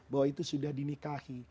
bahwa itu sudah dinikahi